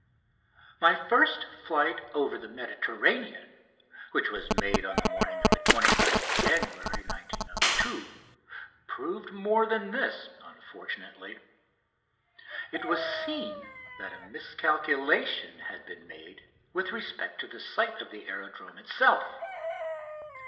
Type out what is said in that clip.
11] My first flight over the Mediterranean, which was made on the morning of 29th January 1902, proved more than this, unfortunately. It was seen that a miscalculation had been made with respect to the site of the aerodrome itself.